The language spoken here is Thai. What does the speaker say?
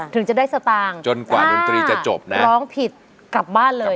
ถึงจะได้สตางค์ถ้าร้องผิดกลับบ้านเลย